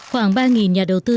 khoảng ba nhà đầu tư